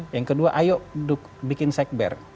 yang kedua ayo bikin sekber